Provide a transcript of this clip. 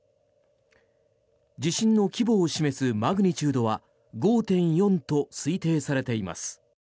地震の規模を示すマグニチュードは５．４と推定されています。